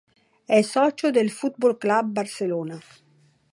È socio del Futbol Club Barcelona.